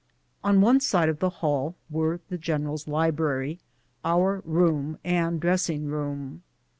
On one side of the hall was the general's library, our room and dressing room.